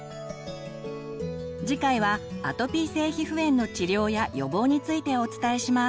次回はアトピー性皮膚炎の治療や予防についてお伝えします。